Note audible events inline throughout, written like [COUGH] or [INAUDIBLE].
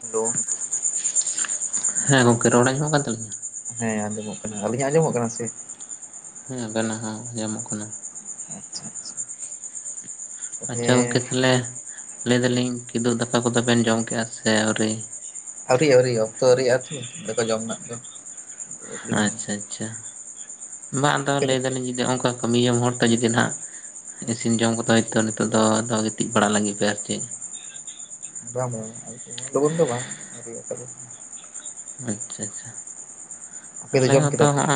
Hello. [INAUDIBLE] ᱦᱮᱸ ᱜᱚᱝᱠᱮ ᱨᱚᱲ ᱟᱸᱡᱚᱢᱚᱜ ᱠᱟᱱ ᱛᱟᱞᱤᱧᱟ? ᱦᱮᱸ ᱟᱸᱡᱚᱢᱚᱜ ᱠᱟᱱᱟ ᱾ ᱟᱹᱞᱤᱧᱟᱜ ᱟᱸᱡᱚᱢᱚᱜ ᱠᱟᱱᱟ ᱥᱮ ᱦᱮᱸ ᱟᱵᱮᱱᱟᱜ ᱦᱚᱸ ᱟᱸᱡᱚᱢᱚᱜ ᱠᱟᱱᱟ᱾ ᱟᱪᱪᱷᱟ ᱟᱪᱪᱷᱟ ᱾ ᱟᱪᱪᱷᱟ ᱜᱚᱝᱠᱮ ᱛᱟᱦᱚᱞᱮ ᱞᱟᱹᱭ ᱮᱫᱟᱞᱤᱧ ᱠᱤᱫᱩᱵ ᱫᱟᱠᱟ ᱠᱚᱫᱚ ᱵᱮᱱ ᱡᱚᱢ ᱠᱮᱫ-ᱟ ᱥᱮ ᱟᱹᱣᱨᱤ? ᱟᱹᱣᱨᱤ ᱟᱹᱣᱨᱤ ᱚᱠᱛᱚ ᱟᱹᱣᱨᱤᱭᱟᱜ-ᱟ ᱠᱤ ᱫᱟᱠᱟ ᱡᱚᱢ ᱨᱮᱱᱟᱜ ᱫᱚ ᱾ ᱟᱪᱪᱷᱟ ᱟᱪᱪᱷᱟ ᱾ ᱵᱟᱝ ᱟᱫᱚ ᱟᱯᱮ ᱞᱟᱹᱭ ᱫᱚᱯᱮ ᱮᱫᱟᱞᱤᱧ ᱡᱩᱫᱤ ᱚᱱᱠᱟ ᱠᱟᱹᱢᱤᱭᱟᱹᱢ ᱦᱚᱲᱴᱷᱮᱱ ᱡᱩᱫᱤ ᱱᱟᱦᱟᱜ ᱤᱥᱤᱱ ᱡᱚᱢ ᱠᱚᱫᱚ ᱦᱚᱭᱛᱚ ᱱᱤᱛᱚᱜ ᱫᱚ ᱟᱫᱚ ᱜᱤᱛᱤᱡ ᱵᱟᱲᱟᱜ ᱞᱟᱹᱜᱤᱫ ᱯᱮ ᱟᱨ ᱪᱮᱫ ᱵᱟᱝ ᱵᱟᱝ ᱟᱨᱠᱤ ᱩᱱᱟᱜ ᱞᱚᱜᱚᱱ ᱫᱚ ᱵᱟᱝ ᱟᱣᱨᱤᱭᱟᱜ ᱟᱴᱴᱟ ᱫᱚ ᱟᱪᱪᱷᱟ ᱪᱷᱟ ᱟᱯᱮ ᱫᱚ ᱟᱞᱮ ᱡᱚᱢ ᱦᱚᱸᱛᱚ ᱠᱮᱫᱟ ᱯᱮ ᱦᱚᱜᱚ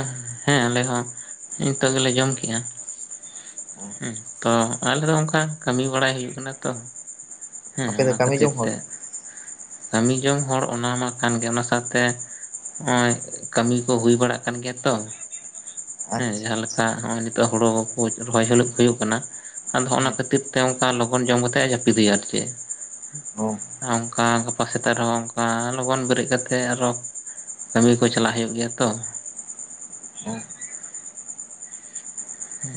ᱦᱮᱸ ᱟᱞᱮ ᱦᱚᱸ ᱱᱤᱛᱚᱜ ᱜᱮᱞᱮ ᱡᱚᱢ ᱠᱮᱜᱼᱟ᱾ ᱚ ᱛᱚ ᱟᱞᱮ ᱫᱚ ᱚᱱᱠᱟ ᱠᱟᱹᱢᱤ ᱵᱟᱲᱟᱭ ᱦᱩᱭᱩᱜ ᱠᱟᱱᱟ ᱛᱚ ᱦᱮᱸ ᱟᱯᱮ ᱫᱚ ᱚᱱᱟ ᱠᱟᱹᱢᱤ ᱠᱷᱟᱹᱛᱤᱨ ᱡᱚᱝ ᱦᱚᱲ ᱛᱮ᱾ ᱠᱟᱹᱢᱤ ᱡᱚᱝ ᱦᱚᱲ ᱚᱱᱟ ᱢᱟ ᱠᱟᱱ ᱜᱮ ᱚᱱᱟᱥ ᱠᱟᱛᱮ ᱚᱭ ᱠᱟᱹᱢᱤ ᱠᱚ ᱦᱩᱭ ᱵᱟᱲᱟᱜ ᱠᱟᱱ ᱜᱮᱭᱟ ᱛᱚ? ᱦᱮᱸ ᱟᱪᱪᱷᱟ ᱡᱟᱦᱟᱸ ᱟᱪᱪᱷᱟ ᱞᱮᱠᱟ ᱱᱚᱜᱚᱭ ᱱᱤᱛᱚᱜ ᱦᱩᱲᱩ ᱠᱳ ᱨᱚᱦᱚᱭ ᱦᱤᱞᱳᱜ ᱦᱩᱭᱩᱜ ᱠᱟᱱᱟ᱾ ᱟᱫᱚ ᱦᱚᱜᱚᱱᱟ ᱦᱮᱸ ᱠᱷᱟᱹᱛᱤᱨ ᱛᱮ ᱚᱱᱠᱟ ᱞᱚᱜᱚᱱ ᱡᱚᱢ ᱠᱟᱛᱮᱜ ᱡᱟᱹᱯᱤᱫ ᱦᱩᱭᱩᱜ-ᱟ ᱟᱨ ᱪᱮᱜ ᱚ ᱾ ᱟ ᱚᱝᱠᱟ ᱜᱟᱵ ᱯᱟ ᱥᱮᱛᱟᱜ ᱨᱮᱦᱚᱸ ᱚᱱᱠᱟ ᱞᱚᱜᱚᱱ ᱵᱮᱨᱮᱜ ᱠᱟᱛᱮ ᱟᱨᱚ ᱠᱟᱹᱢᱤ ᱠᱚ ᱪᱟᱞᱟᱜ ᱦᱩᱭᱩᱜ ᱜᱮᱭᱟ ᱛᱚ᱾ ᱦᱮᱸ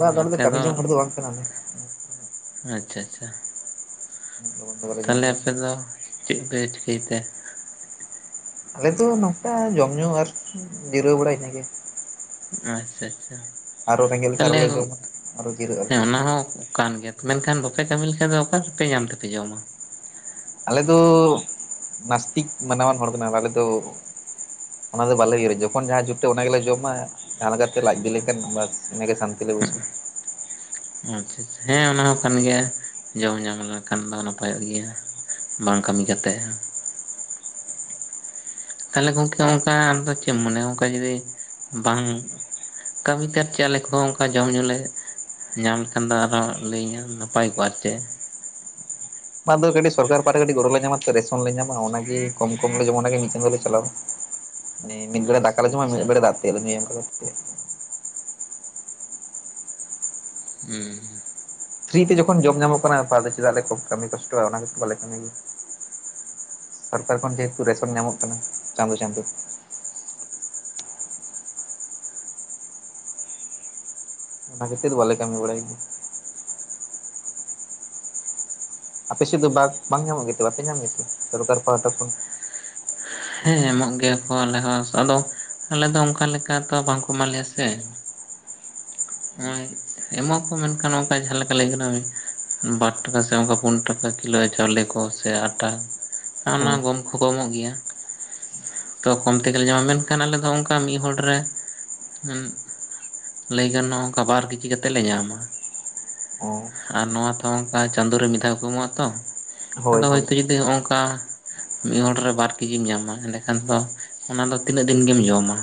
ᱵᱟᱝ ᱟᱞᱮ ᱱᱚᱛᱮ ᱠᱟᱹᱢᱤ ᱫᱚ ᱡᱚᱝ ᱦᱚᱲ ᱵᱟᱝ ᱠᱟᱱᱟᱞᱮ ᱟᱪᱪᱷᱟ ᱟᱪᱪᱷᱟ ᱞᱚᱜᱚᱱ ᱫᱚ ᱵᱟᱞᱮ ᱡᱚᱢ ᱛᱟᱦᱞᱮ ᱜᱮᱭᱟ ᱟᱯᱮ ᱫᱚ ᱪᱮᱜ ᱯᱮ ᱪᱤᱠᱟᱹᱭ ᱛᱮ? ᱟᱞᱮ ᱫᱚ ᱱᱚᱝᱠᱟ ᱡᱚᱢ ᱧᱩ ᱟᱨ ᱧᱤᱨᱟᱹᱣ ᱵᱟᱲᱟᱭ ᱤᱱᱟᱹᱜᱮ᱾ ᱟᱪᱪᱷᱟ ᱟᱪᱪᱷᱟ ᱟᱨᱚ ᱨᱮᱸᱜᱮᱡ ᱞᱮᱠᱷᱟᱱ ᱛᱟᱦᱚᱞᱮ ᱟᱨᱚᱞᱮ ᱜᱚᱜ ᱡᱚᱢᱟ ᱟᱨᱚ ᱡᱤᱨᱟᱹᱜ ᱟᱞᱮ ᱦᱮᱸ ᱚᱱᱟ ᱦᱚᱸ ᱠᱟᱱ ᱜᱮᱭᱟ᱾ ᱢᱮᱱᱠᱷᱟᱱ ᱵᱟᱯᱮ ᱠᱟᱹᱢᱤ ᱞᱮᱠᱷᱟᱱ ᱫᱚ ᱚᱠᱟ ᱨᱮᱯᱮ ᱧᱟᱢ ᱛᱮᱯᱮ ᱡᱚᱢᱟ? ᱟᱞᱮ ᱫᱚ ᱱᱟᱥᱛᱤᱠ ᱢᱟᱱᱟᱣᱟᱱ ᱦᱚᱲ ᱠᱟᱱᱟᱞᱮ ᱟᱞᱮ ᱫᱚ ᱚᱱᱟ ᱫᱚ ᱵᱟᱞᱮ ᱩᱭᱦᱟᱹᱨᱟ ᱡᱚᱠᱷᱚᱱ ᱡᱟᱦᱟᱸ ᱡᱩᱴᱟᱹᱜ ᱚᱱᱟ ᱜᱮᱞᱮ ᱡᱚᱢᱟ᱾ ᱡᱟᱦᱟᱸ ᱞᱮᱠᱟᱛᱮ ᱞᱟᱡ ᱵᱤ ᱞᱮᱱᱠᱷᱟᱱ ᱜᱮ ᱵᱟᱥ ᱤᱱᱟᱹᱜᱮ ᱥᱟᱱᱛᱤ ᱞᱮ ᱵᱩᱡᱟ᱾ ᱚ ᱟᱪᱪᱷᱟ ᱪᱷᱟ ᱦᱮᱸ ᱚᱱᱟ ᱦᱚᱸ ᱠᱟᱱ ᱜᱮᱭᱟ ᱡᱚᱢ ᱧᱟᱢ ᱞᱮᱱᱠᱷᱟᱱ ᱫᱚ ᱱᱟᱯᱟᱭᱚᱜ ᱜᱮᱭᱟ᱾ ᱵᱟᱝ ᱠᱟᱹᱢᱤ ᱠᱟᱛᱮᱫ ᱦᱚ ᱛᱟᱦᱚᱞᱮ ᱜᱚᱝᱠᱮ ᱚᱱᱠᱟ ᱟᱢ ᱫᱚ ᱪᱮᱫ ᱮᱢ ᱢᱚᱱᱮᱭᱟ? ᱚᱱᱠᱟ ᱡᱚᱫᱤ ᱵᱟᱢ ᱠᱟᱹᱢᱤ ᱛᱮ ᱟᱨ ᱪᱮᱫ ᱠᱳ ᱚᱱᱠᱟ ᱡᱚᱢ ᱧᱩ ᱞᱮ ᱧᱟᱢ ᱞᱮᱠᱷᱟᱱ ᱫᱚ ᱟᱨᱦᱚᱸ ᱞᱟᱹᱭᱟᱹᱧ ᱱᱟᱯᱟᱭ ᱠᱚᱜᱼᱟ ᱟᱨ ᱪᱮᱫ᱾ ᱯᱟᱨᱫᱚ ᱠᱟᱹᱴᱤᱡ ᱥᱚᱨᱠᱟᱨ ᱯᱟᱦᱟᱴᱟ ᱠᱟᱹᱴᱤᱡ ᱜᱚᱲᱚ ᱞᱮ ᱧᱟᱢᱟ ᱨᱮᱥᱚᱱ ᱞᱮ ᱧᱟᱢᱟ ᱚᱱᱟ ᱜᱮ ᱠᱚᱢ ᱠᱚᱢ ᱞᱮ ᱡᱚᱢᱟ ᱚᱱᱟᱜᱮ ᱢᱤᱫ ᱪᱟᱸᱫᱳ ᱞᱮ ᱪᱟᱞᱟᱣᱟ᱾ ᱢᱮ ᱢᱤᱫ ᱵᱮᱲᱟ ᱫᱟᱠᱟ ᱟᱪᱪᱷᱟ ᱞᱮ ᱡᱚᱢᱟ ᱢᱤᱫ ᱟᱪᱪᱷᱟ ᱵᱮᱲᱟ ᱫᱟᱜᱛᱮᱜ ᱞᱮ ᱧᱩᱭᱟ ᱚᱱᱠᱟ ᱠᱟᱛᱮᱜ᱾ ᱦᱩᱸ ᱯᱷᱨᱤ ᱛᱮ ᱡᱚᱠᱷᱚᱱ ᱡᱚᱢ ᱧᱟᱢᱚᱜ ᱠᱟᱱᱟ ᱛᱟᱦᱞᱮ ᱪᱮᱫᱟᱜ ᱞᱮ ᱠᱟᱹᱢᱤ ᱠᱚᱥᱴᱚᱜᱼᱟ ᱚᱱᱟ ᱛᱮ ᱵᱟᱝ ᱞᱮ ᱠᱟᱹᱢᱤ ᱜᱮᱭᱟ᱾ ᱥᱚᱨᱠᱟᱨ ᱠᱷᱚᱱ ᱡᱮᱦᱮᱛᱩ ᱨᱮᱥᱚᱱ ᱧᱟᱢᱚᱜ ᱠᱟᱱᱟ ᱪᱟᱸᱫᱳ ᱪᱟᱸᱫᱳ ᱚᱱᱟ ᱠᱷᱟᱹᱛᱤᱨ ᱵᱟᱞᱮ ᱠᱟᱹᱢᱤ ᱵᱟᱲᱟᱭ ᱜᱮᱭᱟ᱾ ᱟᱯᱮ ᱥᱮᱫ ᱫᱚ ᱵᱟᱠ ᱵᱟᱝ ᱧᱟᱢᱚᱜ ᱜᱮᱛᱮ ᱵᱟᱯᱮ ᱧᱟᱢ ᱜᱮᱛᱮ ᱥᱚᱨᱠᱟᱨ ᱯᱟᱦᱟᱴᱟ ᱠᱷᱚᱱ? ᱦᱮᱸ ᱮᱢᱚᱜ ᱜᱮᱭᱟ ᱠᱳ ᱟᱞᱮ ᱦᱚᱸ ᱟᱫᱚ ᱟᱞᱮ ᱫᱚ ᱚᱱᱠᱟ ᱞᱮᱠᱟ ᱛᱚ ᱵᱟᱝᱠᱚ ᱮᱢᱟᱞᱮᱭᱟ ᱥᱮ᱾ ᱱᱚᱜᱚᱭ ᱮᱢᱚᱜ ᱟᱠᱚ ᱢᱮᱱᱠᱷᱟᱱ ᱚᱱᱠᱟ ᱡᱟᱦᱟᱸ ᱞᱮᱠᱟ ᱞᱟᱹᱭ ᱠᱟᱱᱟ ᱵᱟᱴ ᱴᱟᱠᱟ ᱥᱮ ᱚᱱᱠᱟ ᱯᱩᱱ ᱴᱟᱠᱟ ᱠᱤᱞᱳ ᱪᱟᱣᱞᱮ ᱠᱚ ᱥᱮ ᱟᱴ ᱴᱟ ᱚᱱᱟ ᱦᱮᱸ ᱜᱚᱢ ᱠᱚ ᱠᱚ ᱮᱢᱚᱜ ᱜᱮᱭᱟ᱾ ᱛᱚ ᱠᱚᱢ ᱛᱮᱜᱮ ᱞᱮ ᱧᱟᱢᱟ᱾ ᱢᱮᱱᱠᱷᱟᱱ ᱟᱞᱮ ᱫᱚ ᱢᱤᱫ ᱦᱚᱲ ᱨᱮ ᱞᱟᱹᱭ ᱜᱟᱱᱚᱜ-ᱟ ᱚᱱᱠᱟ ᱵᱟᱨ ᱠᱮᱡᱤ ᱠᱟᱛᱮᱫ ᱞᱮ ᱧᱟᱢᱟ᱾ ᱚ ᱟᱨ ᱱᱚᱣᱟ ᱛᱚ ᱚᱱᱠᱟ ᱪᱟᱸᱫᱳ ᱨᱮ ᱢᱤᱫ ᱫᱷᱟᱣ ᱠᱚ ᱮᱢᱚᱜ ᱟᱛᱚ ᱦᱳᱭ ᱟᱫᱚ ᱦᱳᱭ ᱦᱚᱭᱛᱚ ᱡᱩᱫᱤ ᱦᱚᱜᱚᱝ ᱠᱟ ᱢᱤᱫ ᱦᱚᱲ ᱨᱮ ᱵᱟᱨ ᱠᱮᱡᱤᱢ ᱧᱟᱢᱟ ᱮᱸᱰᱮ ᱠᱷᱟᱱ ᱫᱚ ᱚᱱᱟ ᱫᱚ ᱛᱤᱱᱟᱹᱜ ᱫᱤᱱ ᱜᱮᱢ ᱡᱚᱢᱟ᱾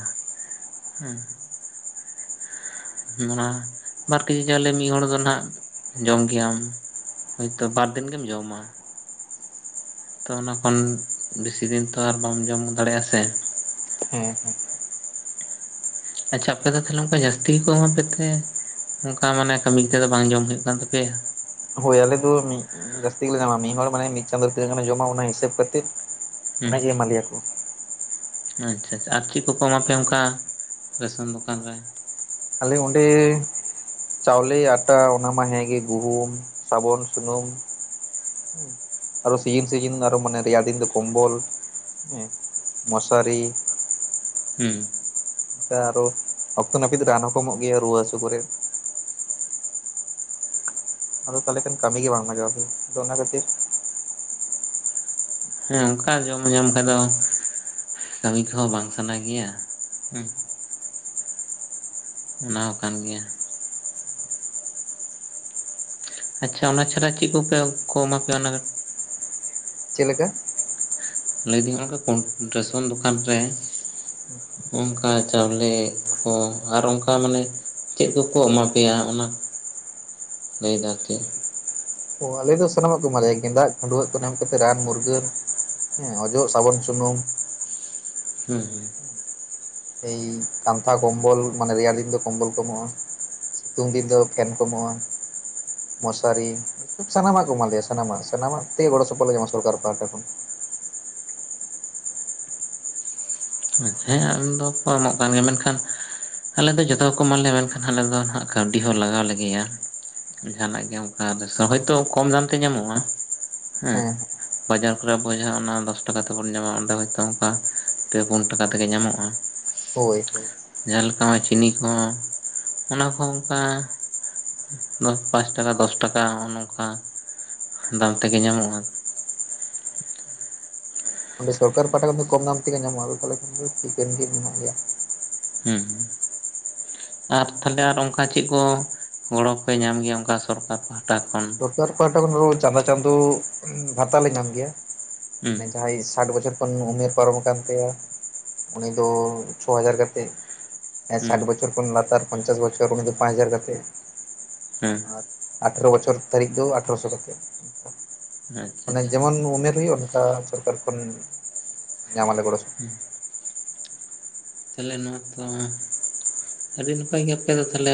ᱦᱩᱸ ᱢᱚᱱᱟ ᱵᱟᱨ ᱠᱮᱡᱤ ᱪᱟᱣᱞᱮ ᱢᱤᱫ ᱦᱚᱲ ᱫᱚ ᱱᱟᱜ ᱡᱚᱢ ᱜᱮᱭᱟᱢ᱾ ᱦᱳᱭᱛᱳ ᱵᱟᱨ ᱫᱤᱱ ᱜᱮᱢ ᱡᱚᱢᱟ᱾ ᱛᱚ ᱚᱱᱟ ᱠᱷᱚᱱ ᱵᱮᱥᱤ ᱫᱤᱱ ᱛᱚ ᱟᱨ ᱵᱟᱢ ᱡᱚᱢ ᱫᱟᱲᱮᱭᱟᱜᱼᱟ ᱥᱮ ᱦᱮᱸ ᱦᱮᱸ᱾ ᱟᱪᱪᱷᱟ ᱟᱯᱮ ᱫᱚ ᱛᱟᱦᱚᱞᱮ ᱚᱱᱠᱟ ᱡᱟᱹᱥᱛᱤ ᱜᱮᱠᱚ ᱮᱢᱟ ᱯᱮᱛᱮ? ᱚᱱᱠᱟ ᱢᱟᱱᱮ ᱠᱟᱹᱢᱤ ᱛᱮᱫᱚ ᱵᱟᱝ ᱡᱚᱢ ᱦᱩᱭᱩᱜ ᱠᱟᱱ ᱛᱟᱯᱮᱭᱟ᱾ ᱦᱳᱭ ᱟᱞᱮ ᱫᱚ ᱡᱟᱹᱥᱛᱤ ᱜᱮᱞᱮ ᱧᱟᱢᱟ᱾ ᱢᱤᱫ ᱦᱚᱲ ᱢᱟᱱᱮ ᱢᱤᱫ ᱪᱟᱸᱫᱳ ᱨᱮ ᱛᱤᱱᱟᱹᱜ ᱜᱟᱱᱮ ᱡᱚᱢᱟ ᱚᱱᱟ ᱦᱤᱥᱟᱹᱵ ᱠᱟᱛᱮᱫ ᱦᱩᱸ ᱩᱱᱟᱹᱜ ᱜᱮ ᱮᱢᱟ ᱞᱮᱭᱟ ᱠᱚ᱾ ᱟᱪᱪᱷᱟ ᱟᱪᱪᱷᱟ ᱟᱨ ᱪᱮᱫ ᱠᱚ ᱠᱚ ᱮᱢᱟ ᱯᱮᱭᱟ ᱚᱱᱠᱟ ᱨᱮᱥᱚᱱ ᱫᱚᱠᱟᱱ ᱨᱮ? ᱟᱞᱮ ᱚᱸᱰᱮ ᱪᱟᱣᱞᱮ, ᱟᱴᱟ ᱚᱱᱟᱢᱟ ᱦᱮᱸᱜᱮ ᱜᱩᱦᱩᱢ ᱥᱟᱵᱚᱱ, ᱥᱩᱱᱩᱢ᱾ ᱥᱤᱡᱤᱱ ᱥᱤᱡᱤᱱ ᱟᱨᱚ ᱢᱟᱱᱮ ᱨᱮᱭᱟᱲ ᱫᱤᱱ ᱫᱚ ᱠᱚᱢᱵᱚᱞ᱾ ᱦᱮᱸ ᱢᱚᱥᱟᱨᱤ᱾ ᱦᱩᱸ᱾ ᱟᱨᱚ ᱚᱠᱛᱚ ᱱᱟᱹᱯᱤᱛ ᱨᱟᱱ ᱦᱚᱸᱠᱚ ᱮᱢᱚᱜ ᱜᱮᱭᱟ ᱨᱩᱣᱟᱹ ᱦᱟᱹᱥᱩ ᱠᱚᱨᱮ᱾ ᱟᱫᱚ ᱛᱟᱦᱚᱞᱮ ᱠᱷᱟᱱ ᱠᱟᱹᱢᱤ ᱜᱮ ᱵᱟᱝ ᱞᱟᱜᱟᱣᱼᱟ ᱟᱫᱚ ᱚᱱᱟ ᱠᱷᱟᱹᱛᱤᱨ᱾ ᱦᱮᱸ ᱚᱱᱠᱟ ᱡᱚᱢ ᱧᱟᱢ ᱠᱷᱟᱡ ᱫᱚ ᱠᱟᱹᱢᱤ ᱠᱚᱦᱚᱸ ᱵᱟᱝ ᱥᱟᱱᱟ ᱜᱮᱭᱟ ᱦᱮᱸ᱾ ᱚᱱᱟ ᱦᱚᱸ ᱠᱟᱱ ᱜᱮᱭᱟ ᱾ ᱟᱪᱪᱷᱟ ᱚᱱᱟ ᱪᱷᱟᱲᱟ ᱪᱮᱫ ᱠᱚᱯᱮ ᱠᱚ ᱮᱢᱟ ᱯᱮᱭᱟ ᱚᱱᱟ ᱪᱮᱫ ᱞᱮᱠᱟ? ᱞᱟᱹᱭᱫᱟᱹᱧ [UNINTELLIGIBLE] ᱨᱮᱥᱚᱱ ᱫᱚᱠᱟᱱ ᱨᱮ [UNINTELLIGIBLE] ᱚᱱᱠᱟ ᱪᱟᱣᱞᱮ ᱠᱚ ᱟᱨ ᱚᱱᱠᱟ ᱢᱟᱱᱮ ᱪᱮᱫ ᱠᱚᱠᱚ ᱮᱢᱟ ᱯᱮᱭᱟ ᱚᱱᱟ ᱞᱟᱹᱭᱫᱟ ᱟᱨᱠᱤ ᱚ ᱟᱞᱮ ᱫᱚ ᱥᱟᱱᱟᱢᱟᱜ ᱠᱚ ᱮᱢᱟᱞᱮᱭᱟ ᱜᱮᱸᱫᱟᱜ ᱠᱷᱟᱹᱰᱩᱣᱟᱹᱜ ᱠᱚ ᱮᱢ ᱠᱟᱛᱮᱫ ᱨᱟᱱ ᱢᱩᱨᱜᱟᱹᱱ᱾ ᱦᱮᱸ ᱚᱡᱚᱜ ᱥᱟᱹᱵᱚᱱ ᱥᱩᱱᱩᱢ᱾ ᱦᱩᱸ ᱦᱩᱸ᱾ ᱮᱭ ᱠᱟᱱᱛᱷᱟ ᱠᱚᱢᱵᱚᱞ ᱢᱟᱱᱮ ᱨᱮᱭᱟᱲ ᱫᱤᱱ ᱫᱚ ᱠᱚᱢᱵᱚᱞ ᱠᱚ ᱮᱢᱚᱜᱼᱟ ᱾ ᱥᱤᱛᱩᱝ ᱫᱤᱱ ᱫᱚ ᱯᱷᱮᱱ ᱠᱚ ᱮᱢᱚᱜᱼᱟ ᱾ ᱢᱚᱥᱟᱨᱤ ᱥᱟᱱᱟᱢᱟᱜ ᱠᱚ ᱮᱢᱟᱜ ᱞᱮᱭᱟ ᱥᱟᱱᱟᱢᱟᱜ ᱥᱟᱱᱟᱢᱟᱜ ᱛᱮ ᱜᱚᱲᱚ ᱥᱚᱯᱚᱦᱚᱫ ᱞᱮ ᱧᱟᱢᱟ ᱥᱚᱨᱠᱟᱨ ᱯᱟᱦᱴᱟ ᱠᱷᱚᱱ᱾ ᱦᱮᱸ ᱮᱢ ᱫᱚᱠᱚ ᱮᱢᱚᱜ ᱠᱟᱱ ᱜᱮᱭᱟ ᱢᱮᱱᱠᱷᱟᱱ ᱟᱞᱮ ᱫᱚ ᱡᱚᱛᱚ ᱜᱮᱠᱚ ᱮᱢᱟ ᱞᱮᱭᱟ ᱢᱮᱱᱠᱷᱟᱱ ᱟᱞᱮ ᱫᱚ ᱠᱟᱹᱣᱰᱤ ᱦᱚᱸ ᱞᱟᱜᱟᱣ ᱞᱮ ᱜᱮᱭᱟ ᱾ ᱡᱟᱸᱦᱟᱱᱟᱜ ᱜᱮ ᱚᱱᱠᱟ [UNINTELLIGIBLE] ᱦᱳᱭᱛᱳ ᱠᱚᱢ ᱫᱟᱢ ᱛᱮ ᱧᱟᱢᱚᱜᱼᱟ ᱾ ᱦᱮᱸ ᱵᱟᱡᱟᱨ ᱠᱷᱨᱮ ᱚᱠᱟ ᱡᱟᱦᱟᱸ ᱫᱚᱥ ᱴᱟᱠᱟ ᱛᱮᱵᱚᱱ ᱧᱟᱢᱟ ᱚᱸᱰᱮ ᱦᱚᱭᱛᱚ ᱚᱱᱠᱟ ᱯᱮ ᱯᱩᱱ ᱴᱟᱠᱟ ᱛᱮᱜᱮ ᱧᱟᱢᱚᱜᱼᱟ ᱾ ᱦᱳᱭ ᱦᱳᱭ ᱾ ᱡᱟᱦᱟᱸ ᱞᱮᱠᱟ ᱪᱤᱱᱤ ᱠᱚᱦᱚᱸ ᱚᱱᱟ ᱠᱚᱦᱚᱸ ᱚᱱᱠᱟ ᱯᱟᱸᱪ ᱴᱟᱠᱟ ᱫᱚᱥ ᱴᱟᱠᱟ ᱦᱚᱸᱜᱼᱚᱭ ᱱᱚᱝᱠᱟ ᱫᱟᱢ ᱛᱮᱜᱮ ᱧᱟᱢᱚᱜᱼᱟ ᱾ ᱚᱸ ᱥᱚᱨᱠᱟᱨ ᱯᱟᱦᱟᱴᱟ ᱠᱷᱚᱱ ᱫᱚ ᱠᱚᱢ ᱫᱟᱢ ᱛᱮᱜᱮ ᱧᱟᱢᱚᱜᱼᱟ ᱟᱫᱚ ᱛᱟᱦᱚᱞᱮ ᱠᱤᱱᱛᱩ ᱴᱷᱤᱠᱟᱹᱱ ᱜᱮ ᱢᱮᱱᱟᱜ ᱜᱮᱭᱟ ᱾ ᱦᱩᱸ᱾ ᱟᱨ ᱛᱟᱦᱞᱮ ᱟᱨ ᱚᱱᱠᱟ ᱪᱮᱫ ᱠᱚ ᱜᱚᱲᱚ ᱯᱮ ᱧᱟᱢ ᱜᱮᱭᱟ ᱚᱱᱠᱟ ᱥᱚᱨᱠᱟᱨ ᱯᱟᱦᱴᱟ ᱠᱷᱚᱱ? ᱠᱟᱨ ᱯᱟᱦᱟᱴᱟ ᱠᱷᱚᱱ ᱫᱚ ᱪᱟᱸᱫᱳ ᱪᱟᱸᱫᱳ ᱵᱷᱟᱛᱟ ᱞᱮ ᱧᱟᱢ ᱜᱮᱭᱟ ᱦᱩᱸ ᱡᱟᱦᱟᱸᱭ ᱥᱟᱴ ᱵᱚᱪᱷᱚᱨ ᱛᱚᱠᱷᱚᱱ ᱩᱢᱮᱨ ᱯᱟᱨᱚᱢ ᱟᱠᱟᱱ ᱛᱟᱭᱟ ᱩᱱᱤ ᱫᱚ ᱪᱷᱚ ᱦᱟᱡᱟᱨ ᱠᱟᱛᱮᱫ᱾ ᱦᱩᱸ ᱥᱟᱴ ᱵᱚᱪᱷᱚᱨ ᱠᱷᱚᱱ ᱞᱟᱛᱟᱨ ᱯᱚᱧᱪᱟᱥ ᱵᱚᱪᱷᱚᱨ ᱩᱱᱤ ᱫᱚ ᱯᱟᱸᱪ ᱦᱟᱡᱟᱨ ᱠᱟᱛᱮᱫ᱾ ᱦᱮᱸ᱾ ᱟᱨ ᱟᱴᱷᱨᱚ ᱵᱚᱪᱷᱚᱨ ᱛᱟᱹᱨᱤᱠᱷ ᱫᱚ ᱟᱴᱷᱨᱚ ᱥᱚ ᱠᱟᱛᱮᱫ ᱾ ᱟᱪᱪᱷᱟ ᱢᱟᱱᱮ ᱡᱮᱢᱚᱱ ᱟᱪᱪᱷᱟ ᱩᱢᱮᱨ ᱦᱩᱭᱩᱜ ᱚᱱᱠᱟ ᱥᱚᱨᱠᱟᱨ ᱠᱷᱚᱱ ᱧᱟᱢ ᱟᱞᱮ ᱜᱚᱲᱚ ᱥᱚᱯ᱾ ᱦᱩ᱾ ᱛᱟᱞᱦᱮ ᱱᱚᱣᱟ ᱛᱚ ᱟᱹᱰᱤ ᱱᱟᱯᱟᱭ ᱜᱮ ᱟᱯᱮ ᱫᱚ ᱛᱟᱞᱦᱮ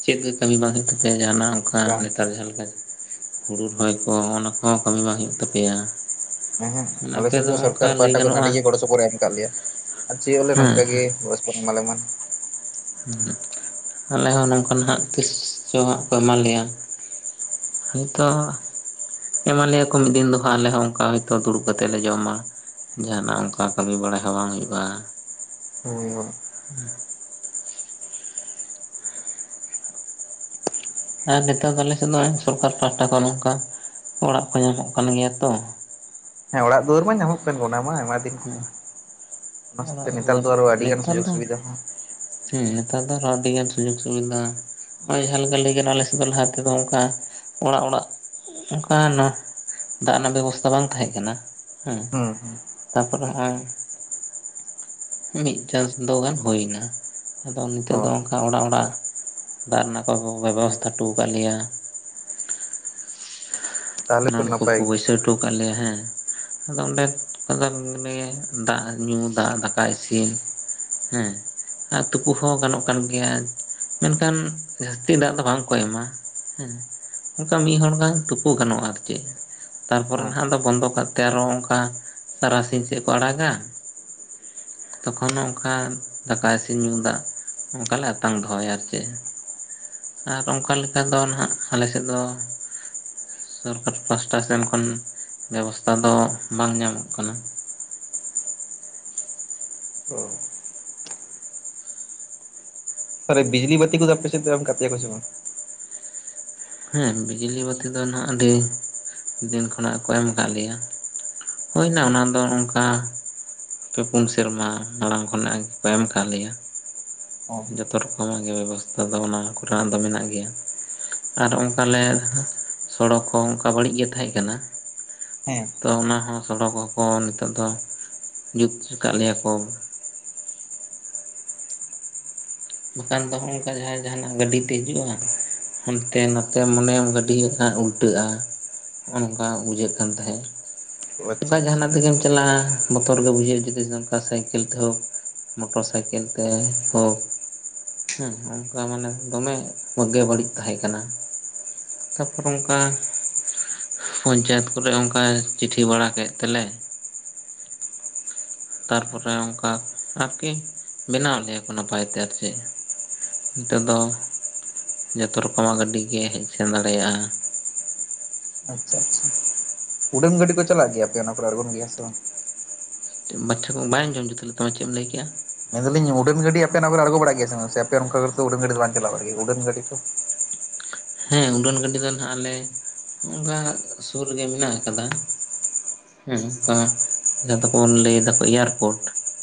ᱦᱳᱭᱳᱜ-ᱟ᱾ᱪᱮᱫ ᱠᱟᱹᱢᱤ ᱵᱟᱝ ᱦᱳᱭᱳᱜ ᱛᱮ ᱯᱮᱭᱟ ᱡᱟᱦᱟᱱᱟᱜ ᱚᱱᱠᱟ ᱵᱟᱝ ᱱᱮᱛᱟᱨ ᱡᱟᱦᱟ ᱞᱮᱠᱟ ᱦᱩᱲᱩ ᱨᱚᱦᱚᱭ ᱠᱚ ᱚᱱᱟ ᱠᱚᱦᱚᱸ ᱠᱟᱹᱢᱤ ᱵᱟᱝ ᱦᱩᱭᱩᱜ ᱛᱟᱯᱮᱭᱟ ᱾ ᱦᱮᱸ ᱦᱮᱸ ᱟᱞᱮ ᱥᱮᱫ ᱫᱚ ᱥᱚᱨᱠᱟᱨ ᱞᱟᱹᱭ ᱯᱟᱦᱟᱴᱟ ᱠᱷᱚᱱ ᱜᱟᱱᱚᱜᱼᱟ ᱟᱹᱰᱤ ᱜᱮ ᱜᱚᱲᱚ ᱥᱚᱯᱚᱦᱚᱫ ᱮᱢ ᱠᱟᱜ ᱞᱮᱭᱟ᱾ᱟᱨ ᱪᱮᱫ ᱦᱚᱸ ᱵᱚᱞᱮ ᱦᱮᱸ ᱱᱚᱝᱠᱟ ᱜᱮ ᱜᱚᱲᱚ ᱮᱢᱟ ᱞᱮ ᱢᱟ ᱾ ᱟᱞᱮ ᱦᱚᱸ ᱱᱚᱱᱠᱟ ᱦᱟᱸᱜ ᱛᱤᱥ ᱪᱚ ᱦᱟᱸᱜ ᱠᱚ ᱮᱢᱟ ᱞᱮᱭᱟ᱾ ᱦᱳᱭ ᱛᱚ ᱮᱢ ᱞᱮᱭᱟ ᱠᱚ ᱢᱤᱫ ᱫᱤᱱ ᱫᱚ ᱦᱟᱸᱜ ᱟᱞᱮ ᱦᱚᱸ ᱚᱱᱠᱟ ᱦᱚᱭ ᱛᱚ ᱫᱩᱲᱩᱵ ᱠᱟᱛᱮᱜ ᱞᱮ ᱡᱚᱢᱟ ᱾ ᱡᱟᱦᱟᱱᱟᱜ ᱚᱱᱠᱟ ᱠᱟᱹᱢᱤ ᱵᱟᱲᱟ ᱦᱚᱸ ᱵᱟᱝ ᱦᱩᱭᱩᱜ-ᱟ ᱾ ᱦᱳᱭ, ᱦᱳᱭ᱾ ᱟᱨ ᱱᱮᱛᱚᱜ ᱫᱚ ᱟᱞᱮ ᱥᱮᱫ ᱫᱚ ᱥᱚᱨᱠᱟᱨ ᱯᱟᱦᱟᱴᱟ ᱠᱷᱚᱱ ᱱᱚᱝᱠᱟ ᱚᱲᱟᱜ ᱠᱚ ᱧᱟᱢᱚᱜ ᱠᱟᱱ ᱜᱮᱭᱟ ᱛᱚ ᱾ ᱦᱮᱸ ᱚᱲᱟᱜ ᱫᱩᱣᱟᱹᱨ ᱢᱟ ᱧᱟᱢᱚᱜ ᱠᱟᱱ ᱜᱮ ᱚᱱᱟ ᱢᱟ ᱟᱭᱢᱟ ᱫᱤᱱ ᱦᱮᱸ ᱠᱷᱚᱱ ᱚᱱᱟ ᱥᱟᱣ ᱛᱮ ᱚᱲᱟᱜ ᱱᱮᱛᱟᱨ ᱫᱩᱣᱟᱹᱨ ᱫᱚ ᱟᱨᱚ ᱟᱹᱰᱤ ᱜᱟᱱ ᱱᱮᱛᱟᱨ ᱥᱩᱡᱳᱜᱽ ᱫᱚ ᱥᱩᱵᱤᱫᱷᱟ ᱦᱚᱸ᱾ ᱦᱮᱸ ᱱᱮᱛᱟᱨ ᱫᱚ ᱟᱨᱚᱸ ᱟᱹᱰᱤ ᱜᱟᱱ ᱥᱩᱡᱳᱜ ᱥᱩᱵᱤᱫᱷᱟ ᱱᱚᱜᱚᱭ ᱡᱟᱦᱟ ᱞᱮᱠᱟ ᱞᱟᱹᱭ ᱜᱟᱱᱚᱜ-ᱟ᱾ ᱟᱞᱮ ᱥᱮᱫ ᱫᱚ ᱞᱟᱦᱟ ᱛᱮᱫᱚ ᱚᱱᱠᱟ ᱚᱲᱟᱜ, ᱚᱲᱟᱜ ᱚᱱᱠᱟᱱᱟᱜ ᱫᱟᱜ ᱨᱮᱱᱟᱜ ᱵᱮᱵᱚᱥᱛᱷᱟ ᱵᱟᱝ ᱛᱟᱦᱮᱸ ᱠᱟᱱᱟ ᱦᱮᱹ᱾ ᱦᱩᱸ, ᱦᱩᱸ᱾ ᱛᱟᱨᱯᱚᱨᱮ ᱦᱚᱸᱜ-ᱚᱭ ᱾ ᱢᱤᱫ ᱪᱟᱥᱫᱳ ᱜᱟᱱ ᱦᱳᱭ ᱱᱟ ᱟᱫᱚ ᱱᱤᱛᱳᱜ ᱚ ᱫᱚ ᱚᱱᱠᱟ ᱚᱲᱟᱜ ᱚᱲᱟᱜ ᱫᱟᱜ ᱨᱮᱱᱟᱜ ᱠᱚ ᱵᱮᱵᱚᱥᱛᱷᱟ ᱦᱚᱴᱚ ᱠᱟᱜ ᱞᱮᱭᱟ᱾ ᱛᱟᱦᱚᱞᱮ ᱛᱚ ᱱᱚᱞ ᱱᱟᱯᱟᱭ ᱠᱚᱠᱚ ᱜᱮ ᱵᱟᱹᱭᱥᱟᱹᱣ ᱦᱚᱴᱚ ᱠᱟᱜ ᱞᱮᱭᱟ ᱦᱮᱸ᱾ ᱟᱫᱚ ᱚᱸᱰᱮ ᱠᱷᱚᱱ ᱫᱚ ᱫᱟᱜ ᱧᱩ ᱫᱟᱜ ᱫᱟᱠᱟ ᱤᱥᱤᱱ᱾ ᱦᱮᱸ᱾ ᱟᱨ ᱛᱩᱯᱩ ᱦᱚᱸ ᱜᱟᱱᱚᱜ ᱠᱟᱱ ᱜᱮᱭᱟ ᱢᱮᱱᱠᱷᱟᱱ ᱡᱟᱹᱥᱛᱤ ᱫᱟᱜ ᱫᱚ ᱵᱟᱝ ᱠᱚ ᱮᱢᱟ᱾ ᱦᱮᱸ ᱚᱱᱠᱟ ᱢᱤᱫ ᱦᱚᱲ ᱜᱟᱱ ᱛᱩᱯᱩ ᱜᱟᱱᱚᱜ-ᱟ ᱟᱨ ᱪᱮᱫ᱾ ᱛᱟᱨᱯᱚᱨᱮ ᱦᱚᱸ ᱦᱟᱸᱜ ᱵᱚᱱᱫᱚ ᱠᱟᱜ ᱛᱮ ᱟᱨᱚ ᱚᱱᱠᱟ ᱛᱟᱨᱟᱥᱤᱧ ᱥᱮᱫ ᱠᱚ ᱟᱲᱟᱜ-ᱟ᱾ ᱛᱚᱠᱷᱚᱱ ᱦᱚᱸ ᱚᱱᱠᱟ ᱫᱟᱠᱟ ᱤᱥᱤᱱ ᱧᱩ ᱫᱟᱜ ᱚᱱᱠᱟ ᱞᱮ ᱟᱛᱟᱝ ᱫᱚᱦᱚᱭᱟ ᱟᱨ ᱪᱮᱫ ᱟᱨ ᱚᱱᱠᱟ ᱞᱮᱠᱟ ᱫᱚ ᱱᱟᱦᱟᱜ ᱟᱞᱮ ᱥᱮᱫ ᱫᱚ ᱥᱚᱨᱠᱟᱨ ᱯᱟᱥᱴᱟ ᱥᱮᱱ ᱠᱷᱚᱱ ᱵᱮᱵᱚᱥᱛᱷᱟ ᱫᱚ ᱵᱟᱝ ᱧᱟᱢᱚᱜ ᱠᱟᱱᱟ᱾ ᱥᱮ ᱨᱮ ᱵᱤᱡᱽᱞᱤ ᱵᱟᱹᱛᱤ ᱠᱚᱫᱚ ᱟᱯᱮ ᱥᱮᱫ ᱫᱚ ᱮᱢ ᱠᱟᱹᱜ ᱯᱮᱭᱟ ᱠᱚ ᱥᱮ ᱵᱟᱝ? ᱦᱮᱸ ᱵᱤᱡᱽᱞᱤ ᱵᱟᱹᱛᱤ ᱫᱚ ᱱᱟᱜ ᱟᱹᱰᱤ ᱫᱤᱱ ᱠᱷᱚᱱᱟᱜ ᱠᱚ ᱮᱢ ᱠᱟᱜ ᱞᱮᱭᱟ᱾ ᱦᱳᱭ ᱱᱟ ᱚᱱᱟ ᱫᱚ ᱚᱱᱠᱟ ᱯᱮ ᱯᱩᱱ ᱥᱮᱨᱢᱟ ᱢᱟᱲᱟᱝ ᱠᱷᱚᱱᱟᱜ ᱜᱮ ᱠᱚ ᱮᱢ ᱠᱟᱜ ᱞᱮᱭᱟ᱾ ᱚ ᱡᱚᱛᱚ ᱨᱚᱠᱚᱢ ᱟᱜ ᱜᱮ ᱵᱮᱵᱚᱥᱛᱷᱟ ᱫᱚ ᱚᱱᱟ ᱠᱚ ᱨᱮᱱᱟᱜ ᱫᱚ ᱢᱮᱱᱟᱜ ᱜᱮᱭᱟ᱾ ᱟᱨ ᱚᱱᱠᱟ ᱞᱮ ᱥᱚᱲᱚᱠ ᱦᱚᱸ ᱚᱱᱠᱟ ᱵᱟᱹᱲᱤᱡ ᱜᱮ ᱛᱟᱦᱮᱸᱜ ᱠᱟᱱᱟ᱾ ᱦᱮᱸ ᱛᱚ ᱚᱱᱟ ᱦᱚᱸ ᱥᱚᱲᱚᱠ ᱦᱚᱸ ᱠᱚ ᱱᱤᱛᱳᱜ ᱫᱚ ᱡᱩᱛ ᱠᱟᱜ ᱞᱮᱭᱟ ᱠᱚ᱾ ᱵᱟᱠᱷᱟᱱ ᱫᱚ ᱦᱚᱸᱝᱠᱟ ᱡᱟᱦᱟᱱᱟᱜ ᱦᱤᱡᱩᱜ-ᱟ ᱦᱟᱱᱛᱮ ᱱᱟᱛᱮ ᱢᱚᱱᱮᱭᱟᱢ ᱜᱟᱹᱰᱤ ᱦᱟᱸᱠᱷᱟᱱ ᱩᱞ ᱩᱞᱴᱟᱹᱜ-ᱟ ᱦᱚᱸᱜᱚ ᱱᱚᱝᱠᱟ ᱵᱩᱡᱷᱟᱹᱜ ᱠᱟᱱ ᱛᱟᱦᱮᱸᱜ᱾ ᱟᱪᱪᱷᱟ ᱚᱱᱠᱟ ᱟᱪᱪᱷᱟ ᱡᱟᱦᱟᱱᱟᱜ ᱛᱮᱜᱮᱢ ᱪᱟᱞᱟᱜ-ᱟ᱾ ᱵᱚᱛᱚᱨ ᱜᱮᱮᱵᱩᱡᱷᱟᱹᱜ-ᱟ ᱡᱩᱫᱤ ᱱᱚᱝᱠᱟ ᱥᱟᱭᱠᱮᱞ ᱛᱮ ᱦᱳᱠ ᱢᱚᱴᱚᱨ ᱥᱟᱭᱠᱮᱞ ᱛᱮ ᱦᱚᱸ᱾ ᱦᱮᱸ ᱚᱱᱠᱟ ᱢᱟᱱᱮ ᱫᱚᱢᱮ ᱠᱚᱜᱮ ᱵᱟᱹᱲᱤᱡ ᱛᱟᱦᱮᱸ ᱠᱟᱱᱟ᱾ ᱛᱟᱯᱚᱨ ᱚᱱᱠᱟ ᱯᱚᱧᱪᱟᱭᱮᱛ ᱠᱚᱨᱮ ᱚᱱᱠᱟ ᱪᱤᱴᱷᱤ ᱵᱟᱲᱟ ᱠᱮᱫ ᱛᱮᱞᱮ ᱛᱟᱨᱯᱚᱨᱮ ᱚᱱᱠᱟ ᱟᱨᱠᱤ ᱵᱮᱱᱟᱣ ᱟᱫ ᱞᱮᱭᱟ ᱠᱚ ᱱᱟᱯᱟᱭ ᱛᱮ ᱟᱨ ᱪᱮᱫ᱾ ᱱᱤᱛᱳᱜ ᱫᱚ ᱡᱚᱛᱚ ᱨᱚᱠᱚᱢ ᱟᱜ ᱜᱟᱹᱰᱤ ᱜᱮ ᱦᱮᱡ ᱥᱮᱱ ᱫᱟᱲᱮᱜ-ᱟ᱾ ᱟᱪᱪᱷᱟ, ᱟᱪᱪᱷᱟ ᱩᱰᱟᱹᱱ ᱜᱟᱹᱰᱤ ᱠᱚ ᱪᱟᱞᱟᱜ ᱜᱮᱭᱟ ᱟᱯᱮ ᱚᱱᱟ ᱠᱚᱨᱮ ᱟᱲᱜᱳᱱ ᱜᱮᱭᱟ ᱥᱮ ᱵᱟᱝ? ᱢᱟᱪᱷᱟ ᱠᱚ ᱵᱟᱝ ᱵᱟᱭ ᱟᱡᱚᱢ ᱡᱩᱛ ᱞᱮᱫ ᱛᱟᱢᱟ ᱪᱮᱛ ᱮᱢ ᱫᱮᱭᱟ ᱠᱮᱭᱟ? ᱢᱮᱱ ᱫᱟᱞᱤᱝ ᱩᱰᱟᱹᱱ ᱜᱟᱹᱰᱤ ᱟᱯᱮ ᱚᱱᱟᱠᱚᱨᱮ ᱟᱲᱜᱚ ᱵᱟᱲᱟᱜ ᱜᱮᱭᱟᱱ ᱥᱮ ᱵᱟᱝ, ᱥᱮ ᱟᱯᱮ ᱚᱱᱠᱟ ᱠᱚᱨᱮ ᱫᱚ ᱩᱰᱟᱹᱱ ᱜᱟᱹᱰᱤ ᱫᱚ ᱵᱟᱝ ᱪᱟᱞᱟᱝ ᱵᱟᱲᱟᱜ ᱜᱮᱭᱟ ᱩᱰᱟᱹᱱ ᱜᱟᱹᱰᱤ᱾ ᱦᱮᱸ ᱩᱰᱟᱹᱱ ᱜᱟᱹᱰᱤ ᱫᱚ ᱱᱟᱦᱟᱝ ᱟᱞᱮ ᱚᱱᱠᱟ ᱥᱚᱨᱚᱜᱮ ᱢᱤᱱᱟᱝ ᱟᱠᱟᱫᱟ᱾ ᱦᱮᱸ ᱟ ᱡᱟᱦᱟᱸ ᱫᱚᱠᱚ ᱵᱚᱱ ᱞᱟᱹᱭ ᱫᱟᱠᱚ ᱮᱭᱟᱨᱯᱳᱨᱴ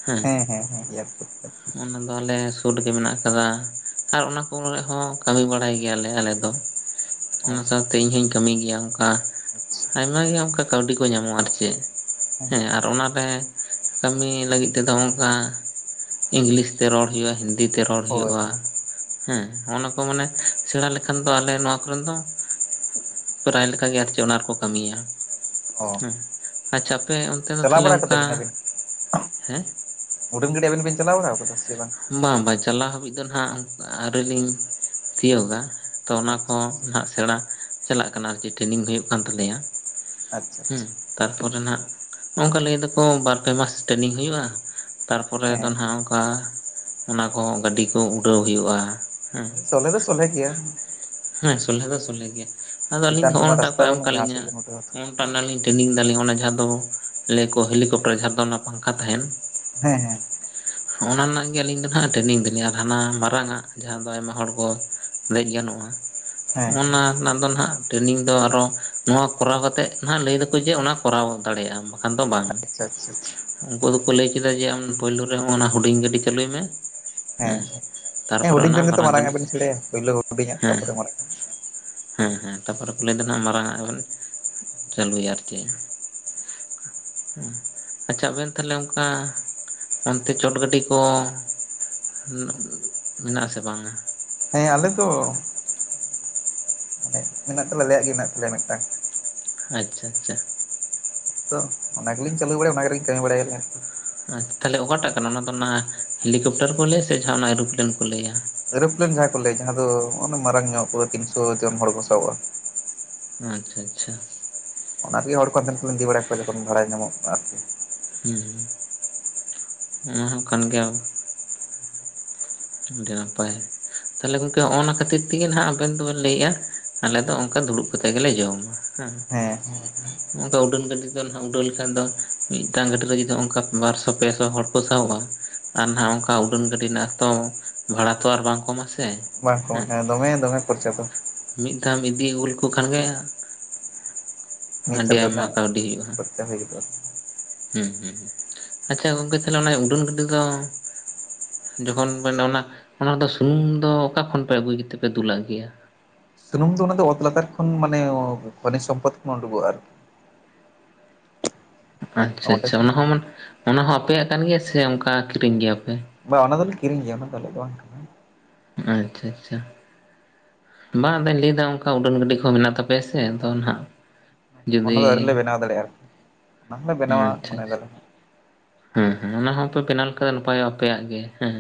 ᱦᱮᱸ᱾ ᱦᱮᱸ ᱦᱮᱸ ᱦᱮᱸ ᱮᱭᱟᱨᱯᱳᱨᱴ ᱚᱱᱟ ᱫᱚ ᱟᱞᱮ ᱥᱳᱨ ᱨᱮᱜᱮᱢᱮ ᱟᱜ ᱠᱟᱫᱟ᱾ ᱟᱨ ᱥᱩᱨᱜᱮ ᱢᱮᱱᱟᱜ ᱟᱠᱟᱫᱟ ᱟᱨ ᱚᱱᱟ ᱠᱚ ᱦᱚᱸ ᱠᱟᱹᱢᱤ ᱵᱟᱲᱟᱭ ᱜᱮᱭᱟᱞᱮ ᱟᱞᱮ᱾ ᱫᱚ ᱚ ᱚᱱᱟ ᱥᱟᱶᱛᱮ ᱤᱧ ᱦᱚᱧ ᱠᱟᱹᱢᱤ ᱜᱮᱭᱟ ᱚᱱᱠᱟ ᱟᱪᱪᱷᱟ ᱟᱭᱢᱟ ᱜᱮ ᱚᱱᱠᱟ ᱠᱟᱹᱣᱰᱤ ᱠᱚ ᱧᱟᱢᱟ-ᱟ, ᱟᱨ ᱪᱮᱫ? ᱦᱮᱸ ᱟᱨ ᱚᱱᱟᱨᱮ ᱠᱟᱹᱢᱤ ᱞᱟᱹᱜᱤᱫ ᱛᱮᱫᱚ ᱚᱱᱠᱟ ᱤᱝᱞᱤᱥ ᱛᱮ ᱨᱚᱲ ᱦᱩᱭᱩᱜᱼᱟ, ᱦᱤᱱᱫᱤ ᱛᱮ ᱨᱚᱲ ᱦᱳᱭ ᱦᱩᱭᱩᱜᱼᱟ᱾ ᱦᱳᱭ ᱦᱮᱸ ᱚᱱᱟ ᱠᱚ ᱢᱟᱱᱮ ᱥᱮᱬᱟ ᱞᱮᱠᱷᱟᱱ ᱫᱚ ᱟᱞᱮ ᱱᱚᱣᱟ ᱠᱚᱨᱮ ᱫᱚ ᱯᱨᱟᱭ ᱞᱮᱠᱟᱜᱮ ᱟᱨ ᱪᱮᱫ ᱚᱱᱟ ᱨᱮᱠᱚ ᱠᱟᱹᱢᱤᱭᱟ ᱚ ᱦᱮᱸ᱾ ᱟᱪᱪᱷᱟ ᱟᱯᱮ ᱚᱱᱛᱮ ᱫᱚ ᱪᱟᱞᱟᱣ ᱛᱟᱦᱚᱞᱮ ᱵᱟᱲᱟ ᱠᱟᱫᱟ ᱚᱱᱠᱟ ᱵᱤᱱ ᱟᱹᱵᱤᱱ ᱦᱮᱸ ᱩᱰᱟᱹᱱ ᱜᱟᱹᱪᱟᱟᱵ ᱵᱤᱱ ᱪᱟᱞᱟᱣᱲᱟ ᱟᱠᱟᱫᱟ ᱥᱮ ᱵᱟᱝ? ᱵᱟᱝ ᱵᱟᱭ ᱪᱟᱞᱟᱣ ᱦᱟᱹᱵᱤᱡ ᱫᱚ ᱱᱟᱦᱟᱜ ᱟᱹᱣᱨᱤᱞᱤᱧ ᱛᱤᱭᱚᱜᱟ᱾ ᱛᱚ ᱚᱱᱟ ᱟᱪᱪᱷᱟ ᱠᱚᱦᱚᱸ ᱱᱟᱟᱜ ᱥᱮᱨᱟ ᱪᱟᱞᱟᱜ ᱠᱟᱱᱟ ᱪᱟᱞᱟᱜ ᱟᱨᱠᱤ ᱟᱨᱠᱤ ᱴᱨᱮᱱᱤᱝ ᱦᱩᱭᱩᱜ ᱠᱟᱱ ᱛᱟᱞᱮᱭᱭᱟ ᱟᱪᱪᱷᱟ ᱦᱩᱸ ᱟᱪᱪᱷᱟ ᱛᱟᱨᱯᱚᱨᱮ ᱱᱟᱦᱟᱸᱜ ᱚᱱᱠᱟ ᱞᱟᱹᱭ ᱫᱟᱠᱚ ᱵᱟᱨ ᱯᱮ ᱢᱟᱥ ᱴᱨᱮᱱᱤᱝ ᱦᱩᱭᱩᱜᱼᱟ᱾ ᱛᱟᱨᱯᱚᱨᱮ ᱫᱚ ᱦᱮᱸ ᱱᱦᱟᱸᱜ ᱚᱱᱠᱟ ᱚᱱᱟ ᱠᱚᱦᱚᱸ ᱜᱟᱹᱰᱤ ᱠᱚ ᱩᱰᱟᱹᱣ ᱦᱩᱭᱩᱜᱼᱟ᱾ ᱦᱮᱸ ᱥᱚᱞᱦᱮ ᱫᱚ ᱥᱚᱞᱦᱮ ᱜᱮᱭᱟ᱾ ᱦᱮᱸ ᱥᱚᱞᱦᱮ ᱫᱚ ᱥᱚᱞᱦᱮ ᱜᱮᱭᱟ᱾ ᱟᱫᱚ ᱟᱹᱞᱤᱧ ᱫᱚ ᱪᱮᱛᱟᱱ ᱦᱚᱜᱼᱚ ᱨᱮᱢᱟ ᱱᱚᱣᱟ ᱴᱟᱜ ᱠᱚ ᱨᱟᱥᱛᱟ ᱮᱢ ᱵᱟᱹᱱᱩᱜ ᱠᱟᱫ ᱡᱟᱦᱟᱸ ᱞᱤᱧᱟ᱾ ᱥᱮᱫ ᱜᱮᱢ ᱩᱰᱟᱹᱣᱟ ᱛᱚ᱾ ᱩᱸᱱ ᱴᱟᱜ ᱱᱟᱞᱤᱧ ᱴᱨᱮᱱᱤᱝ ᱫᱟᱞᱤᱧ ᱚᱱᱟ ᱡᱟᱦᱟᱸ ᱫᱚ ᱞᱟᱹᱭᱟᱠᱚ ᱦᱮᱞᱤᱠᱚᱯᱴᱚᱨ ᱡᱟᱦᱟᱸ ᱫᱚ ᱚᱱᱟ ᱯᱟᱝᱠᱷᱟ ᱛᱟᱦᱮᱱ᱾ ᱦᱮᱸ ᱦᱮᱸ᱾ ᱚᱱᱟ ᱨᱮᱱᱟᱜ ᱜᱮ ᱟᱹᱞᱤᱧ ᱫᱚ ᱱᱟᱦᱟᱸᱜ ᱴᱨᱮᱱᱤᱝ ᱫᱟᱹᱞᱤᱧ ᱟᱨ ᱦᱟᱱᱟ ᱢᱟᱨᱟᱝᱟᱜ ᱡᱟᱦᱟᱸ ᱫᱚ ᱟᱭᱢᱟ ᱦᱚᱲ ᱠᱚ ᱫᱮᱡ ᱜᱟᱱᱚᱜ-ᱟ, ᱦᱮᱸ ᱦᱮᱸ ᱚᱱᱟ ᱚᱱᱟ ᱫᱚᱱᱦᱟᱜ ᱴᱨᱮᱱᱤᱝ ᱫᱚ ᱟᱨᱚ ᱱᱚᱣᱟ ᱠᱚᱨᱟᱣ ᱠᱟᱛᱮᱜ ᱱᱟᱦᱟᱜ ᱞᱟᱹᱭ ᱫᱟᱠᱚ ᱡᱮ ᱚᱱᱟ ᱫᱟᱲᱮᱭᱟᱜᱼᱟᱢ ᱵᱟᱝ ᱠᱷᱟᱱ ᱫᱚ ᱵᱟᱝ᱾ ᱟᱪᱪᱷᱟ ᱟᱪᱪᱷᱟ ᱪᱷᱟ᱾ ᱩᱱᱠᱩ ᱫᱚᱠᱚ ᱞᱟᱹᱭ ᱠᱮᱫᱟ ᱡᱮ ᱟᱢ ᱯᱳᱭᱞᱳ ᱨᱮ ᱦᱟᱸ-ᱚᱱᱟ ᱦᱩᱰᱤᱧ ᱜᱟᱹᱰᱤ ᱪᱟᱹᱞᱩᱭ ᱢᱮ᱾ ᱦᱮᱸ᱾ ᱦᱮᱸ ᱛᱟᱨᱯᱚᱨᱮ ᱦᱩᱰᱤᱧ ᱚᱱᱟ ᱠᱷᱚᱱ ᱜᱮᱛᱚ ᱢᱟᱨᱟᱝ ᱟᱜ ᱜᱟᱹᱰᱤ ᱵᱮᱱ ᱥᱮᱬᱟᱭᱟ᱾ ᱯᱳᱭᱞᱳ ᱦᱩᱰᱤᱧᱟᱜ ᱦᱮᱸ ᱛᱟᱨᱯᱚᱨᱮ ᱢᱟᱨᱟᱝᱟᱜ᱾ ᱦᱮᱸ ᱦᱮᱸ ᱛᱟᱯᱚᱨᱮ ᱠᱚ ᱞᱟᱹᱭᱫᱟ ᱱᱥᱦᱟᱜ ᱢᱟᱨᱟᱝ ᱟᱜ ᱵᱮᱱ ᱪᱟᱹᱞᱩᱭᱟ ᱟᱨᱠᱤ᱾ ᱩᱸ ᱟᱪᱪᱷᱟ ᱟᱵᱮᱱ ᱛᱟᱦᱞᱮ ᱚᱱᱠᱟ ᱚᱱᱛᱮ ᱪᱚᱴ ᱜᱟᱹᱰᱤ ᱠᱚ ᱢᱮᱱᱟᱜ ᱢᱮᱱᱟᱜ ᱟᱥᱮ ᱵᱟᱝᱟ? ᱦᱮᱸ ᱟᱞᱮ ᱫᱚ [UNINTELLIGIBLE] ᱢᱮᱱᱟᱜ ᱛᱟᱞᱮ ᱟᱞᱮᱭᱟᱜ ᱜᱮ ᱢᱮᱱᱟᱜ ᱛᱟᱞᱮᱭᱟ ᱢᱤᱫᱴᱟᱝ᱾ ᱟᱪᱪᱷᱟ ᱟᱪᱪᱷᱟ᱾ ᱛᱚ ᱚᱱᱟ ᱜᱮᱞᱤᱧ ᱪᱟᱹᱞᱩ ᱵᱟᱲᱟᱭ ᱚᱱᱟ ᱜᱮᱨᱤᱧ ᱠᱟᱹᱢᱤ ᱵᱟᱲᱟᱭᱟᱞᱮ ᱟᱪᱪᱷ ᱛᱟᱦᱞᱮ ᱚᱠᱟᱴᱟᱜ ᱠᱟᱱᱟ ᱚᱱᱟ ᱫᱚ ᱚᱱᱟ ᱦᱮᱞᱤᱠᱟᱯᱴᱟᱨ ᱠᱚ ᱞᱟᱹᱭᱟ ᱥᱮ ᱡᱟᱦᱟᱸ ᱚᱱᱟ ᱮᱨᱩᱯᱞᱮᱱ ᱠᱚ ᱞᱟᱹᱭᱟ? ᱮᱨᱳᱯᱞᱮᱱ ᱡᱟᱦᱟᱸ ᱠᱚ ᱞᱟᱹᱭ ᱡᱟᱦᱟᱸ ᱫᱚ ᱚᱱᱟ ᱢᱟᱨᱟᱝ ᱧᱚᱜ, ᱯᱩᱨᱟᱹ ᱛᱤᱱᱥᱚ ᱡᱚᱱ ᱦᱚᱲ ᱠᱚ ᱥᱟᱦᱚᱵᱼᱟ᱾ ᱟᱪᱪᱷᱟ, ᱟᱪᱪᱷᱟ᱾ ᱚᱱᱟ ᱨᱮᱜᱮ ᱦᱚᱲ ᱠᱚ ᱦᱟᱱᱛᱮ ᱱᱟᱛᱮ ᱞᱤᱧ ᱤᱫᱤ ᱵᱟᱲᱟ ᱠᱚᱣᱟ ᱡᱚᱠᱷᱚᱱ ᱵᱷᱟᱲᱟ ᱧᱟᱢᱚᱜᱼᱟ ᱟᱨᱠᱤ᱾ ᱦᱩᱸ ᱚᱱᱟ ᱦᱚᱸ ᱠᱟᱱ ᱜᱮᱭᱟ᱾ ᱡᱟᱱᱟᱢ ᱯᱟᱭ ᱛᱟᱞᱦᱮ ᱜᱚᱝᱠᱮ ᱦᱚᱸᱚᱱᱟ ᱚᱱᱟ ᱠᱷᱟᱹᱛᱤᱨ ᱛᱮᱜᱮ ᱱᱟᱦᱟᱜ ᱟᱵᱮᱱ ᱫᱚᱵᱮᱱ ᱞᱟᱹᱭᱮᱜᱼᱟ ᱟᱞᱮ ᱫᱚ ᱚᱱᱠᱟ ᱫᱩᱲᱩᱵ ᱠᱟᱛᱮ ᱜᱮᱞᱮ ᱡᱚᱢᱟ᱾ ᱦᱮᱸ, ᱱᱚᱣᱟ ᱫᱚ ᱩᱰᱟᱹᱱ ᱜᱟᱹᱰᱤ ᱫᱚ ᱱᱟᱦᱟᱜ ᱩᱰᱟᱹᱣ ᱞᱮᱠᱷᱟᱱ ᱫᱚ ᱢᱤᱫᱴᱟᱝ ᱜᱟᱹᱰᱤ ᱨᱮ ᱡᱩᱫᱤ ᱦᱚᱚᱝᱠᱟ ᱵᱟᱨᱥᱚ ᱯᱮᱥᱚ ᱦᱚᱲ ᱠᱚ ᱥᱟᱦᱚᱵᱼᱟ᱾ ᱟᱨ ᱱᱟᱦᱟᱜ ᱚᱱᱠᱟ ᱩᱰᱟᱹᱱ ᱜᱟᱹᱰᱤ ᱨᱮᱱᱟᱜ ᱛᱚ ᱵᱷᱟᱲᱟ ᱛᱚ ᱟᱨ ᱵᱟᱝ ᱠᱚᱢᱟ ᱥᱮ? ᱵᱟᱝ ᱠᱚᱢᱟ ᱦᱮᱸ ᱫᱚᱢᱮ ᱫᱚᱢᱮ ᱠᱷᱚᱨᱪᱟ ᱫᱚ᱾ ᱢᱤᱫ ᱫᱷᱟᱣ ᱮᱢ ᱤᱫᱤ ᱟᱜᱩ ᱞᱮᱠᱚ ᱠᱷᱟᱱ ᱜᱮ ᱢᱤᱫ ᱟᱹᱰᱤ ᱪᱟᱸᱫᱳ ᱟᱭᱢᱟ ᱨᱮᱱᱟᱜ ᱠᱟᱹᱣᱰᱤ ᱦᱩᱭᱩᱜᱼᱟ ᱠᱷᱚᱨᱪᱟ ᱦᱩᱭ ᱜᱚᱫᱚᱜᱼᱟ᱾ ᱦᱩᱸ ᱦᱩᱸ ᱟᱪᱪᱷᱟ ᱜᱚᱝᱠᱮ, ᱛᱟᱦᱞᱮ ᱚᱱᱟ ᱩᱰᱟᱹᱱ ᱜᱟᱹᱰᱤ ᱫᱚ ᱡᱚᱠᱷᱚᱱ ᱚᱱᱟ ᱚᱱᱟᱫᱚ ᱥᱩᱱᱩᱢ ᱫᱚ ᱚᱠᱟ ᱠᱷᱚᱱ ᱯᱮ ᱟᱹᱜᱩᱭ ᱜᱮᱛᱮ ᱯᱮ ᱫᱩᱞᱟᱜ ᱜᱮᱭᱟ? ᱥᱩᱱᱩᱢ ᱫᱚ ᱚᱱᱟ ᱫᱚ ᱚᱛ ᱞᱟᱛᱟᱨ ᱠᱷᱚᱱ ᱢᱟᱱᱮ ᱠᱷᱚᱱᱤᱡᱽ ᱥᱚᱢᱯᱚᱫ ᱠᱷᱚᱱ ᱩᱰᱩᱠᱚᱜᱼᱟ ᱟᱨᱠᱤ, ᱟᱪᱪᱷᱟ ᱚᱸᱰᱮ ᱟᱪᱪᱷᱟ, ᱠᱷᱚᱱ ᱚᱱᱟ ᱦᱚᱸ ᱚᱢᱚᱱ ᱚᱱᱟ ᱦᱚᱸ ᱟᱯᱮᱭᱟᱜ ᱠᱟᱱ ᱜᱮᱭᱟ ᱥᱮ ᱚᱱᱠᱟ ᱠᱤᱨᱤᱧ ᱜᱮᱭᱟ ᱯᱮ? ᱵᱟᱝ ᱚᱱᱟ ᱫᱚᱞᱮ ᱠᱤᱨᱤᱧ ᱜᱮᱭᱟ ᱚᱱᱟ ᱫᱚ ᱟᱞᱮᱭᱟᱜ ᱫᱚ ᱵᱟᱝ ᱠᱟᱱᱟ᱾ ᱟᱪᱪᱷᱟ ᱟᱪᱪᱷᱟ᱾ ᱵᱟᱝ ᱟᱹᱫᱚᱧ ᱞᱟᱹᱭ ᱮᱫᱟ ᱚᱱᱠᱟ ᱩᱰᱟᱹᱱ ᱜᱟᱹᱰᱤ ᱠᱚ ᱢᱮᱱᱟᱜ ᱛᱟᱯᱮᱭᱟ ᱥᱮ ᱟᱫᱚ ᱱᱟᱦᱟᱜ, ᱚᱱᱟ ᱫᱚ ᱟᱹᱣᱨᱤ ᱡᱩᱫᱤ ᱞᱮ ᱵᱮᱱᱟᱣ ᱫᱟᱲᱮᱭᱟᱜᱼᱟ ᱟᱨᱠᱤ, ᱚᱱᱟ ᱦᱚᱸᱞᱮ ᱵᱮᱱᱟᱣᱟ ᱢᱚᱱᱮ ᱫᱟᱞᱮ ᱦᱟᱜ᱾ ᱦᱩᱸ ᱦᱩᱸ ᱚᱱᱟ ᱦᱚᱸᱯᱮ ᱵᱮᱱᱟᱣ ᱞᱮᱠᱷᱟᱱ ᱱᱟᱯᱟᱭᱚᱜᱼᱟ ᱟᱯᱮᱭᱟᱜ ᱜᱮ ᱦᱮᱸ᱾